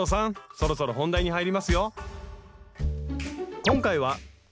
そろそろ本題に入りますよ。